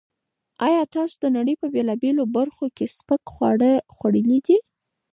ایا تاسو د نړۍ په بېلابېلو برخو کې سپک خواړه خوړلي دي؟